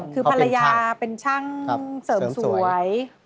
คือภรรยาเป็นช่างเสริมสวย